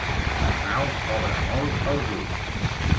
L'Arnau obre molt els ulls.